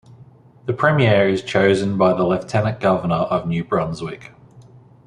The premier is chosen by the Lieutenant Governor of New Brunswick.